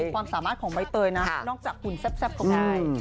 ความสามารถของไม้เตยนะนอกจากขุนแซ่บของมัน